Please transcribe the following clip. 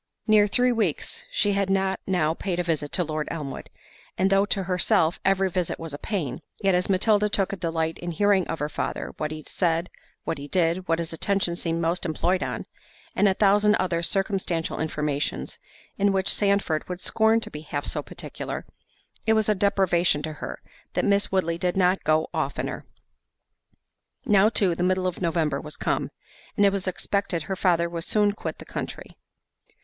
Near three weeks she had not now paid a visit to Lord Elmwood, and though to herself every visit was a pain, yet as Matilda took a delight in hearing of her father, what he said, what he did, what his attention seemed most employed on, and a thousand other circumstantial informations, in which Sandford would scorn to be half so particular, it was a deprivation to her, that Miss Woodley did not go oftener. Now too, the middle of November was come, and it was expected her father would soon quit the country.